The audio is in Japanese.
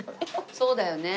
そうだよね。